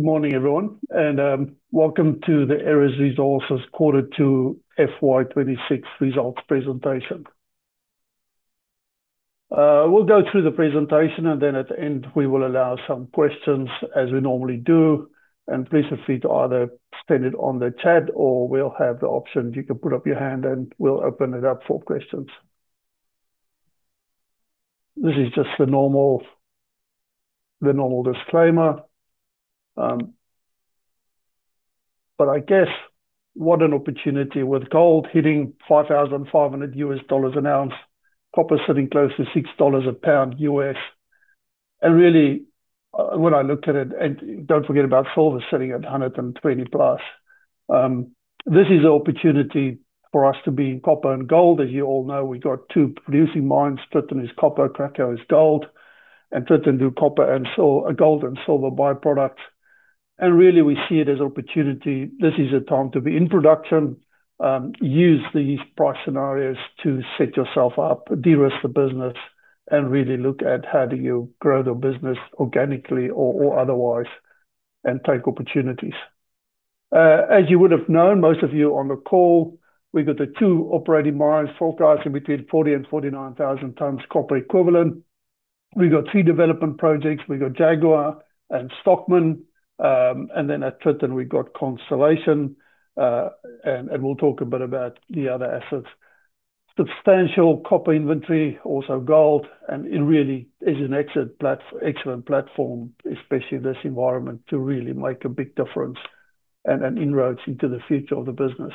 Morning everyone, and welcome to the Aeris Resources Q2 FY 2026 results presentation. We'll go through the presentation, and then at the end, we will allow some questions as we normally do, and please feel free to either send it on the chat or we'll have the option. You can put up your hand and we'll open it up for questions. This is just the normal, the normal disclaimer. But I guess what an opportunity with gold hitting $5,500 an ounce, copper sitting close to $6 a pound. And really, when I look at it, and don't forget about silver sitting at $120+. This is an opportunity for us to be in copper and gold. As you all know, we got two producing mines. Tritton is copper, Cracow is gold, and Tritton does copper and some gold and silver by-product, and really we see it as an opportunity. This is a time to be in production, use these price scenarios to set yourself up, de-risk the business, and really look at how do you grow the business organically or otherwise, and take opportunities. As you would have known, most of you on the call, we got the two operating mines forecasting between 40,000 and 49,000 tons copper equivalent. We got three development projects. We got Jaguar and Stockman. And then at Tritton, we've got Constellation. And we'll talk a bit about the other assets. Substantial copper inventory, also gold, and it really is an excellent platform, especially in this environment, to really make a big difference and inroads into the future of the business.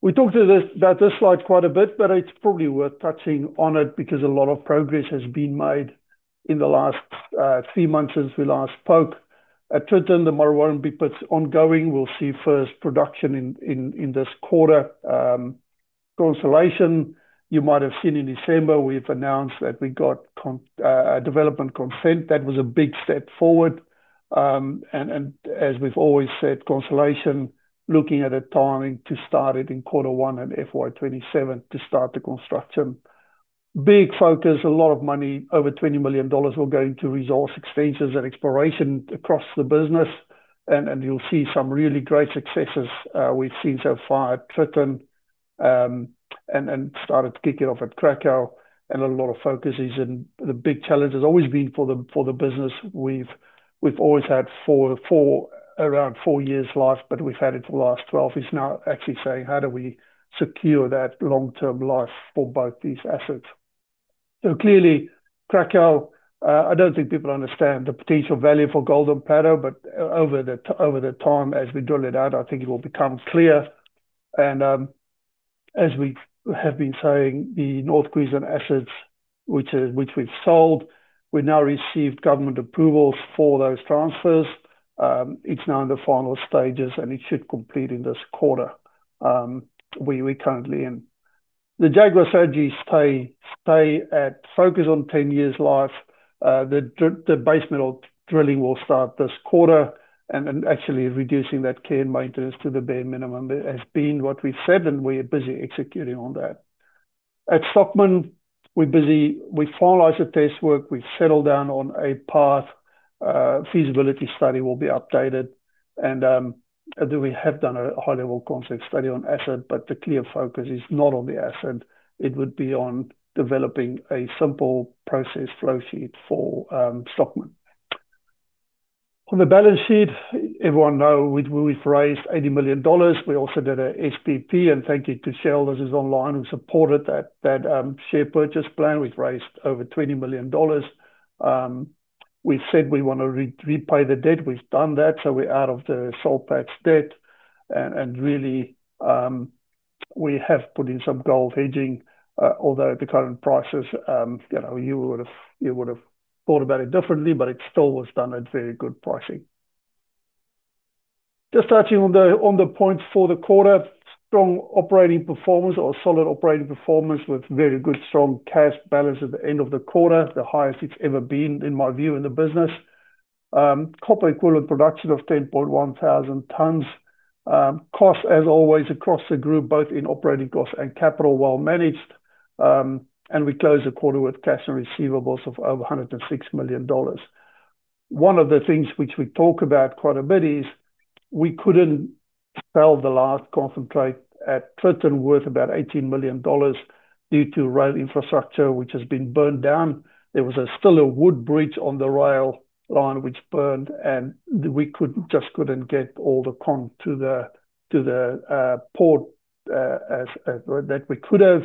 We talked to this, about this slide quite a bit, but it's probably worth touching on it because a lot of progress has been made in the last three months since we last spoke. At Tritton, the Murrawombie pit's ongoing. We'll see first production in this quarter. Constellation, you might have seen in December, we've announced that we got a development consent. That was a big step forward. And as we've always said, Constellation, looking at a timing to start it in quarter one and FY 2027 to start the construction. Big focus, a lot of money, over 20 million dollars will go into resource expenses and exploration across the business, and you'll see some really great successes, we've seen so far at Tritton, and started to kick it off at Cracow. A lot of focus is on the big challenge has always been for the business. We've always had four, around four years life, but we've had it for the last 12. It's now actually saying, how do we secure that long-term life for both these assets? So clearly, Cracow, I don't think people understand the potential value for Golden Plateau, but over the time, as we drill it out, I think it will become clear. And, as we have been saying, the North Queensland assets, which we've sold, we now received government approvals for those transfers. It's now in the final stages, and it should complete in this quarter we currently in. The Jaguar asset stay at focus on 10 years life. The base metal drilling will start this quarter, and actually reducing that care and maintenance to the bare minimum. It has been what we said, and we are busy executing on that. At Stockman, we're busy. We finalized the test work, we've settled down on a path. Feasibility study will be updated, and we have done a high-level concept study on asset, but the clear focus is not on the asset. It would be on developing a simple process flow sheet for Stockman. On the balance sheet, everyone know we, we've raised 80 million dollars. We also did a SPP, and thank you to shareholders who's online who supported that, share purchase plan. We've raised over 20 million dollars. We've said we want to repay the debt. We've done that, so we're out of the Soul Patts debt, and really, we have put in some gold hedging, although at the current prices, you know, you would have, you would have thought about it differently, but it still was done at very good pricing. Just touching on the points for the quarter, strong operating performance or solid operating performance with very good strong cash balance at the end of the quarter, the highest it's ever been, in my view, in the business. Copper equivalent production of 10,100 tons. Cost, as always, across the group, both in operating costs and capital, well managed, and we closed the quarter with cash and receivables of over 106 million dollars. One of the things which we talk about quite a bit is we couldn't sell the last concentrate at Tritton, worth about 18 million dollars due to rail infrastructure, which has been burned down. There was still a wood bridge on the rail line which burned, and we couldn't, just couldn't get all the con to the port as that we could have.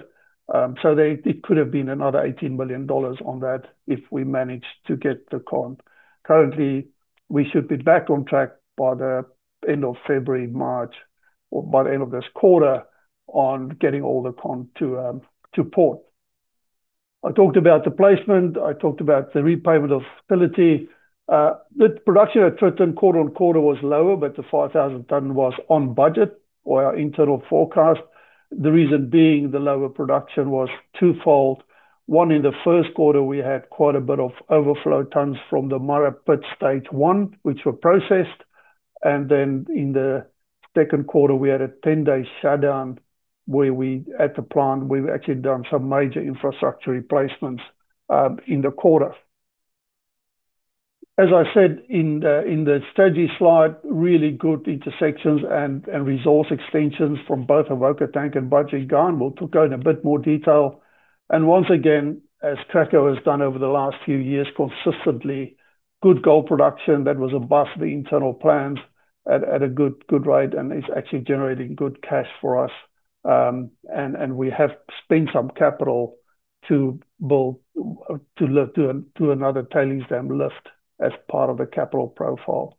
So it could have been another 18 million dollars on that if we managed to get the con. Currently, we should be back on track by the end of February, March, or by the end of this quarter, on getting all the con to port. I talked about the placement, I talked about the repayment of facility. The production at Tritton quarter-on-quarter was lower, but the 5,000 tons was on budget or our internal forecast. The reason being the lower production was twofold. One, in the first quarter, we had quite a bit of overflow tons from the Murra pit stage one, which were processed. Then in the second quarter, we had a 10-day shutdown where we, at the plant, we've actually done some major infrastructure replacements in the quarter. As I said in the strategy slide, really good intersections and resource extensions from both Avoca Tank and Budgerygar. We'll go into a bit more detail. Once again, as Cracow has done over the last few years, consistently good gold production that was above the internal plans at a good rate and is actually generating good cash for us. And we have spent some capital to build to another tailings dam lift as part of the capital profile.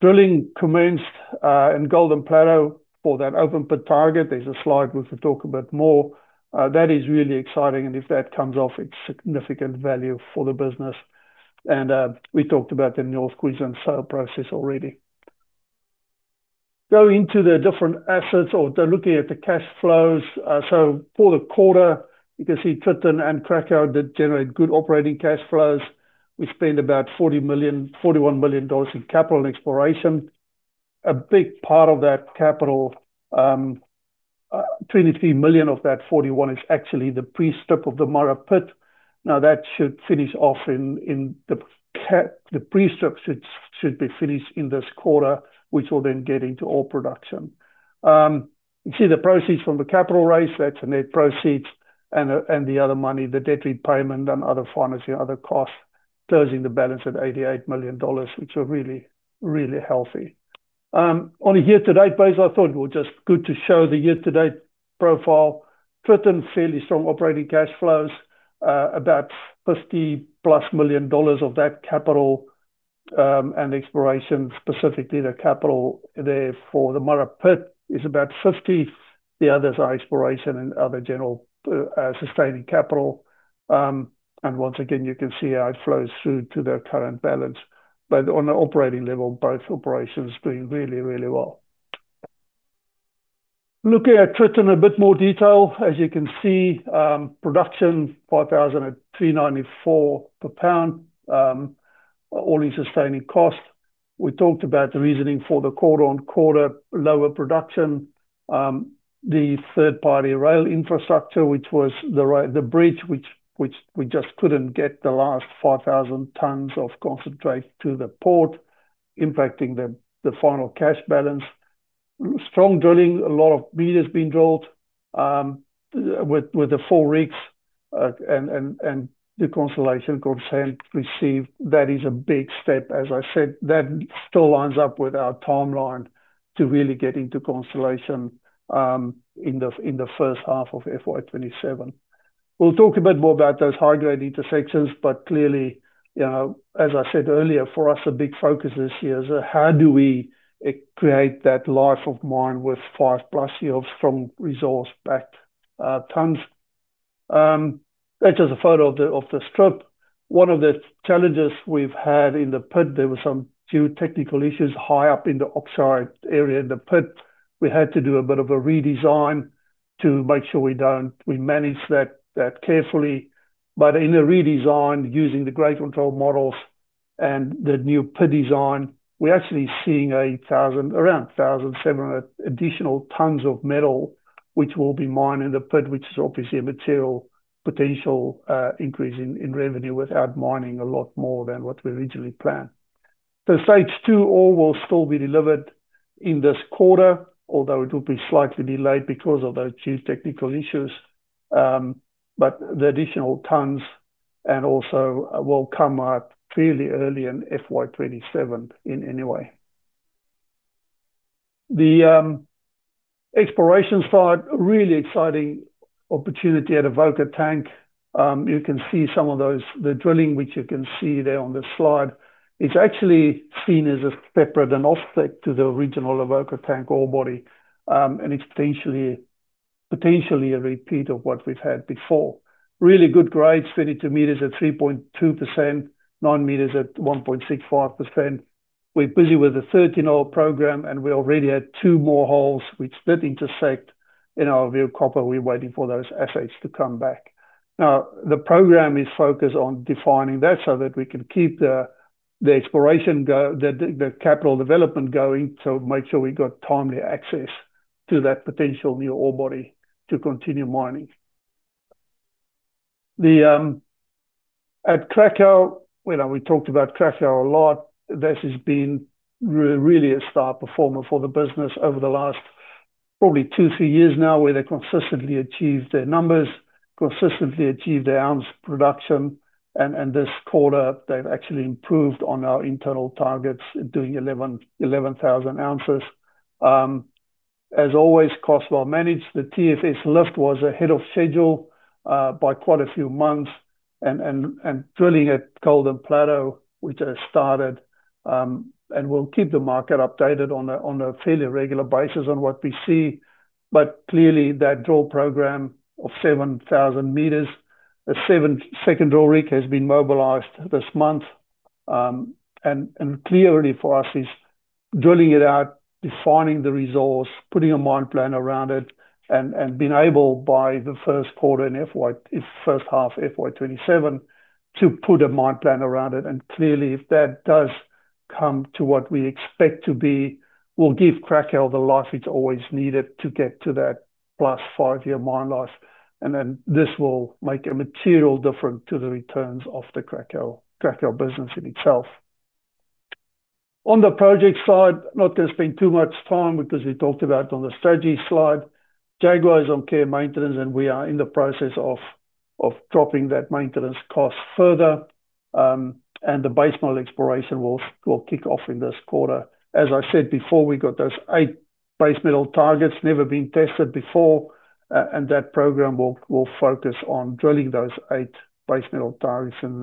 Drilling commenced in Golden Plateau for that open pit target. There's a slide we can talk about more. That is really exciting, and if that comes off, it's significant value for the business. And we talked about the North Queensland sale process already. Going into the different assets or the looking at the cash flows. So for the quarter, you can see Tritton and Cracow did generate good operating cash flows. We spent about 40 million, 41 million dollars in capital and exploration. A big part of that capital, 23 million of that 41 million is actually the pre-strip of the Murra pit. Now, the pre-strip should be finished in this quarter, which will then get into ore production. You see the proceeds from the capital raise, that's the net proceeds and the other money, the debt repayment and other financing, other costs, closing the balance at 88 million dollars, which are really, really healthy. On a year-to-date basis, I thought it was just good to show the year-to-date profile. Tritton, fairly strong operating cash flows, about 50+ million dollars of that capital, and exploration, specifically the capital there for the Murra pit is about 50. The others are exploration and other general, sustaining capital. And once again, you can see how it flows through to the current balance. But on an operating level, both operations are doing really, really well. Looking at Tritton in a bit more detail. As you can see, production, 5,394 per pound, all-in sustaining costs. We talked about the reasoning for the quarter-on-quarter lower production. The third-party rail infrastructure, which was the bridge, which we just couldn't get the last 5,000 tons of concentrate to the port, impacting the final cash balance. Strong drilling, a lot of meters been drilled, with the four rigs, and the Constellation consent received. That is a big step. As I said, that still lines up with our timeline to really get into Constellation, in the first half of FY 2027. We'll talk a bit more about those high-grade intersections, but clearly, you know, as I said earlier, for us, a big focus this year is how do we create that life of mine with five-plus years from resource-backed tons? That's just a photo of the strip. One of the challenges we've had in the pit, there were some geotechnical issues high up in the oxide area in the pit. We had to do a bit of a redesign to make sure we manage that carefully. But in the redesign, using the grade control models and the new pit design, we're actually seeing around 1,700 additional tons of metal, which will be mined in the pit, which is obviously a material potential increase in revenue without mining a lot more than what we originally planned. The stage two ore will still be delivered in this quarter, although it will be slightly delayed because of those geotechnical issues. But the additional tons and also will come out fairly early in FY 2027 in any way. The exploration side, really exciting opportunity at Avoca Tank. You can see some of those, the drilling, which you can see there on the slide. It's actually seen as a separate and offset to the original Avoca Tank ore body, and it's potentially a repeat of what we've had before. Really good grades, 32 m at 3.2%, 9 m at 1.65%. We're busy with the 13-hole program, and we already had two more holes which did intersect, in our view, copper. We're waiting for those assays to come back. Now, the program is focused on defining that so that we can keep the exploration going, the capital development going, to make sure we got timely access to that potential new ore body to continue mining. At Cracow, well, we talked about Cracow a lot. This has been really a star performer for the business over the last probably two, three years now, where they consistently achieved their numbers, consistently achieved their ounce production, and this quarter, they've actually improved on our internal targets, doing 11,000 oz. As always, costs well managed. The TSF lift was ahead of schedule by quite a few months, and drilling at Golden Plateau, which has started, and we'll keep the market updated on a fairly regular basis on what we see. But clearly, that drill program of 7,000 m, a second drill rig has been mobilized this month. And clearly for us is drilling it out, defining the resource, putting a mine plan around it, and being able by the first half FY 2027, to put a mine plan around it. And clearly, if that does come to what we expect to be, will give Cracow the life it's always needed to get to that five-year-plus mine life. And then this will make a material difference to the returns of the Cracow, Cracow business in itself. On the project side, not gonna spend too much time because we talked about it on the strategy slide. Jaguar is on care maintenance, and we are in the process of dropping that maintenance cost further. The base metal exploration will kick off in this quarter. As I said before, we got those eight base metal targets, never been tested before, and that program will focus on drilling those eight base metal targets in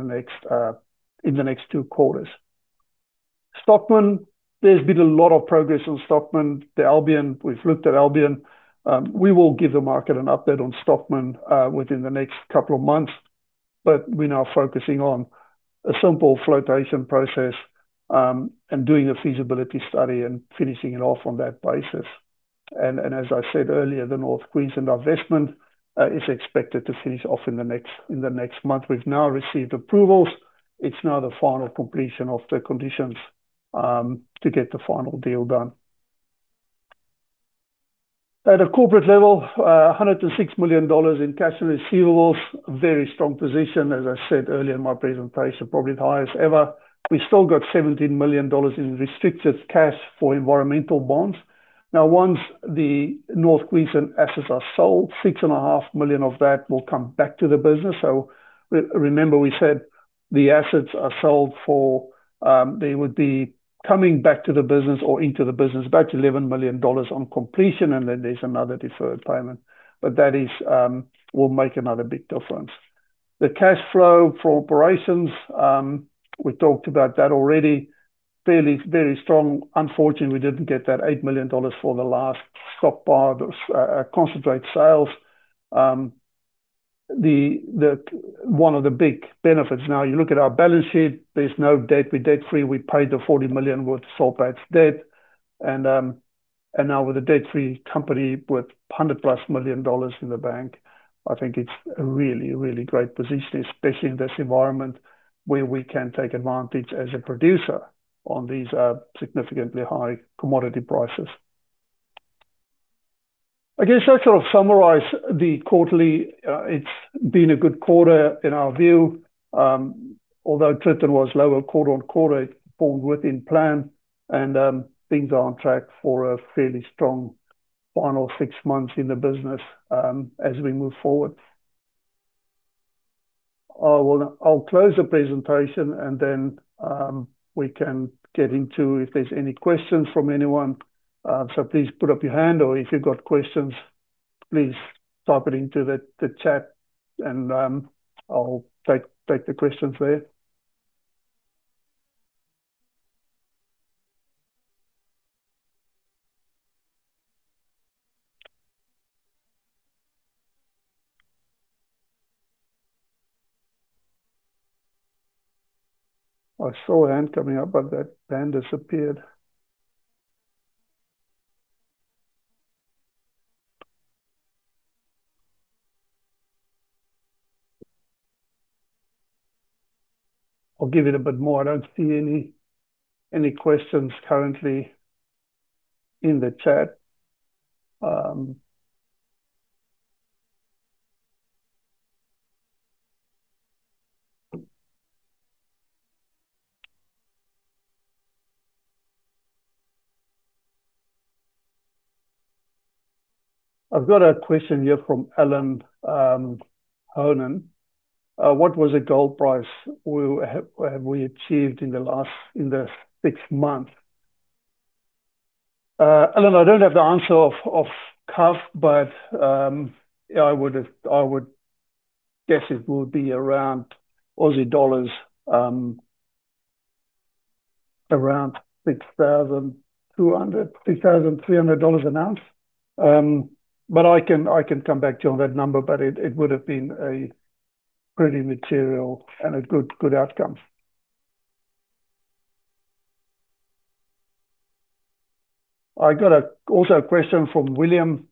the next two quarters. Stockman, there's been a lot of progress on Stockman. The Albion, we've looked at Albion. We will give the market an update on Stockman within the next couple of months, but we're now focusing on a simple flotation process and doing a feasibility study and finishing it off on that basis. As I said earlier, the North Queensland investment is expected to finish off in the next month. We've now received approvals. It's now the final completion of the conditions to get the final deal done. At a corporate level, 106 million dollars in cash and receivables. Very strong position, as I said earlier in my presentation, probably the highest ever. We still got 17 million dollars in restricted cash for environmental bonds. Now, once the North Queensland assets are sold, 6.5 million of that will come back to the business. So remember, we said the assets are sold for, they would be coming back to the business or into the business, about 11 million dollars on completion, and then there's another deferred payment, but that is, will make another big difference. The cash flow for operations, we talked about that already. Fairly, very strong. Unfortunately, we didn't get that 8 million dollars for the last stockpile, concentrate sales. One of the big benefits now, you look at our balance sheet, there's no debt. We're debt-free. We paid the 40 million worth of Soul Patts debt, and now we're a debt-free company with 100+ million dollars in the bank. I think it's a really, really great position, especially in this environment, where we can take advantage as a producer on these significantly high commodity prices. I guess I'll sort of summarize the quarterly. It's been a good quarter in our view. Although Tritton was lower quarter-on-quarter, it formed within plan and things are on track for a fairly strong final six months in the business, as we move forward. Well, I'll close the presentation and then we can get into if there's any questions from anyone. So please put up your hand or if you've got questions, please type it into the chat, and I'll take the questions there. I saw a hand coming up, but that hand disappeared. I'll give it a bit more. I don't see any questions currently in the chat. I've got a question here from Alan Honan. "What was the gold price we have achieved in the last six months?" Alan, I don't have the answer off the cuff, but I would guess it would be around Aussie Dollars, around 6,200-6,300 dollars an ounce. But I can come back to you on that number, but it would have been a pretty material and a good outcome. I got also a question from William,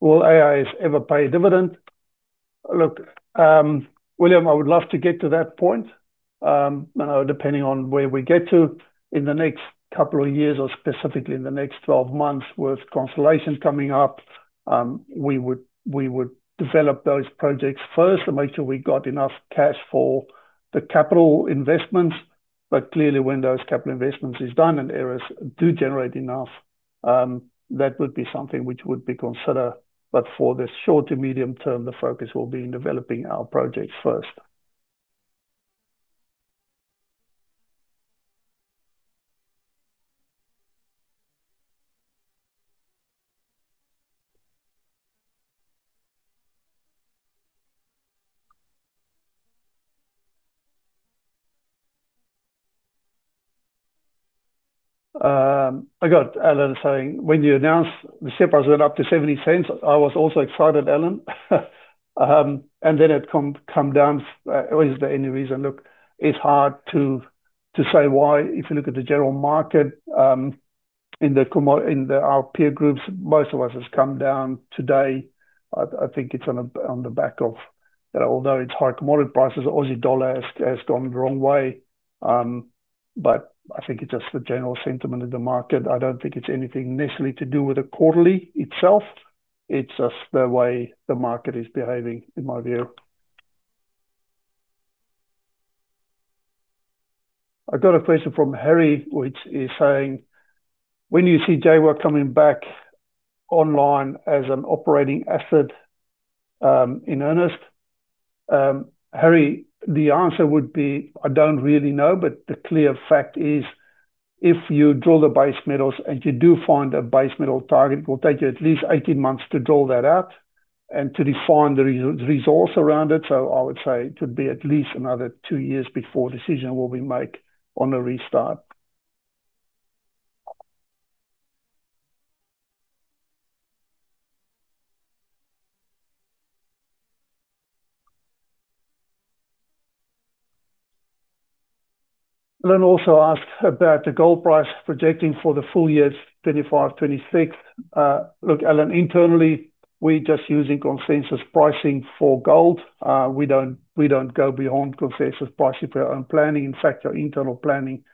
"Will AIS ever pay a dividend?" Look, William, I would love to get to that point. You know, depending on where we get to in the next couple of years, or specifically in the next 12 months with Constellation coming up, we would develop those projects first and make sure we got enough cash for the capital investments. But clearly, when those capital investments is done and Aeris do generate enough, that would be something which would be considered. But for the short to medium term, the focus will be in developing our projects first. I got Alan saying, "When you announced that share price went up to 0.70, I was also excited, Alan. And then it come down. Is there any reason?" Look, it's hard to say why. If you look at the general market, in the commodities, in our peer groups, most of us has come down today. I think it's on the back of, although it's high commodity prices, Aussie dollar has gone the wrong way. But I think it's just the general sentiment of the market. I don't think it's anything necessarily to do with the quarterly itself. It's just the way the market is behaving, in my view. I got a question from Harry, which is saying, "When do you see Jaguar coming back online as an operating asset, in earnest?" Harry, the answer would be, I don't really know, but the clear fact is, if you drill the base metals and you do find a base metal target, it will take you at least 18 months to drill that out and to define the resource around it. So I would say it would be at least another two years before a decision will be made on a restart. Alan also asked about the gold price projecting for the full years, 2025, 2026. Look, Alan, internally, we're just using consensus pricing for gold. We don't, we don't go beyond consensus pricing for our own planning. In fact, our internal planning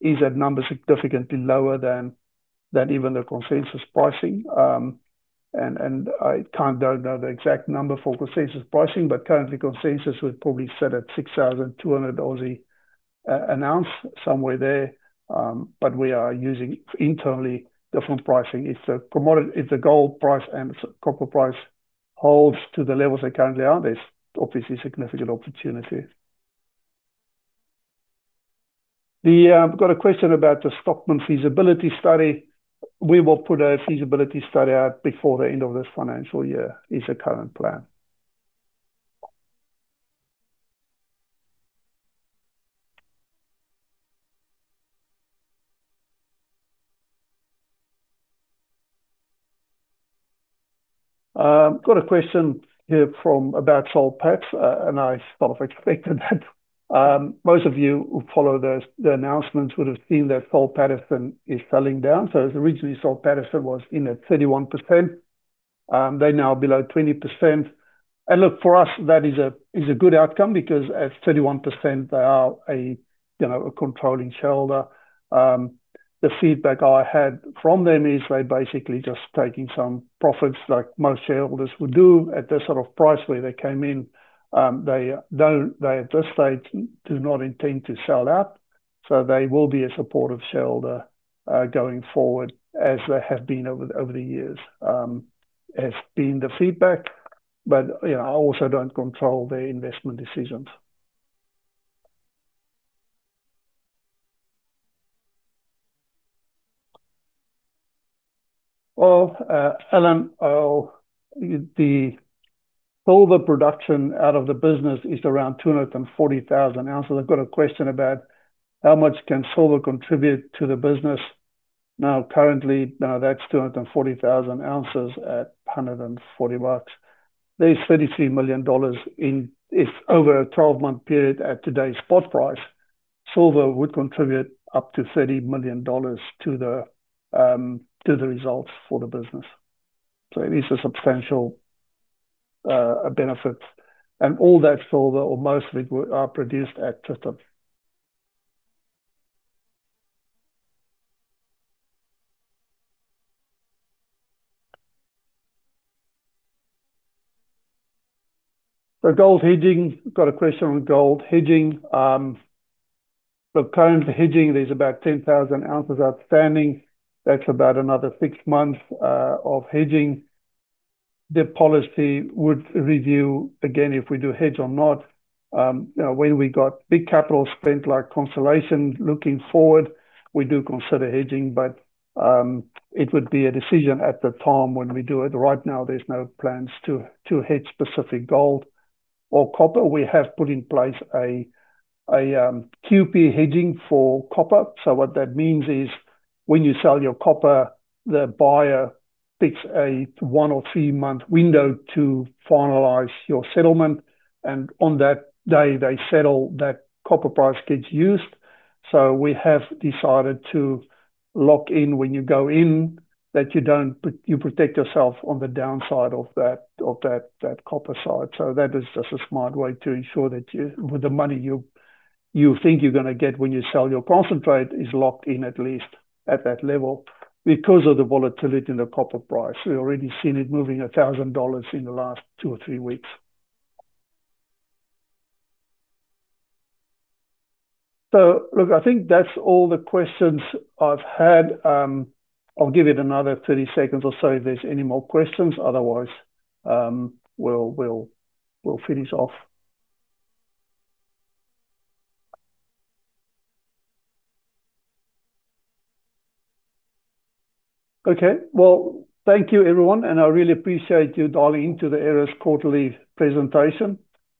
is a number significantly lower than, than even the consensus pricing. I don't know the exact number for consensus pricing, but currently consensus would probably set at 6,200 an ounce, somewhere there. But we are using internally different pricing. If the gold price and copper price holds to the levels they currently are, there's obviously significant opportunity. We got a question about the Stockman feasibility study. We will put a feasibility study out before the end of this financial year, is the current plan. Got a question here about Soul Patt, and I sort of expected that. Most of you who follow the announcements would have seen that Soul Pattinson is selling down. So as originally, Soul Pattinson was in at 31%. They're now below 20%. And look, for us, that is a good outcome because at 31% they are, you know, a controlling shareholder. The feedback I had from them is they're basically just taking some profits, like most shareholders would do at the sort of price where they came in. They at this stage do not intend to sell out, so they will be a supportive shareholder, going forward as they have been over, over the years, has been the feedback. But, you know, I also don't control their investment decisions. Well, Alan, the silver production out of the business is around 240,000 oz. I've got a question about how much can silver contribute to the business. Now, currently, that's 240,000 oz at $140. There's $33 million in... If over a 12-month period at today's spot price, silver would contribute up to 30 million dollars to the results for the business. So it is a substantial benefit, and all that silver or most of it are produced at Tritton. So gold hedging. Got a question on gold hedging. So current hedging, there's about 10,000 oz outstanding. That's about another six months of hedging. The policy would review again, if we do hedge or not. You know, when we got big capital spent like Constellation, looking forward, we do consider hedging, but it would be a decision at the time when we do it. Right now, there's no plans to hedge specific gold or copper. We have put in place a QP hedging for copper. So what that means is, when you sell your copper, the buyer picks a one- or three-month window to finalize your settlement, and on that day, they settle, that copper price gets used. So we have decided to lock in when you go in, that you don't put, you protect yourself on the downside of that, of that, that copper side. So that is just a smart way to ensure that you, with the money you, you think you're gonna get when you sell your concentrate, is locked in at least at that level because of the volatility in the copper price. We've already seen it moving $1,000 in the last two or three weeks. So look, I think that's all the questions I've had. I'll give it another 30 seconds or so if there's any more questions. Otherwise, we'll, we'll, we'll finish off. Okay. Well, thank you, everyone, and I really appreciate you dialing into the Aeris quarterly presentation.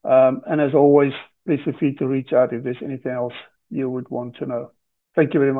As always, please feel free to reach out if there's anything else you would want to know. Thank you very much.